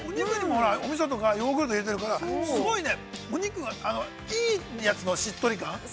◆おみそとか、ヨーグルトを入れてるからすごいお肉がいいやつのしっとり感？